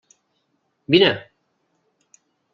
Vine!